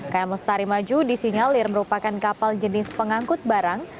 km lestari maju disinyalir merupakan kapal jenis pengangkut barang